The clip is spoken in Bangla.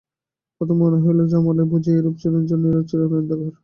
প্রথমে মনে হইল, যমালয় বুঝি এইরূপ চিরনির্জন এবং চিরান্ধকার।